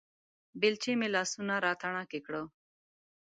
بېلچې مې لاسونه راتڼاکې کړو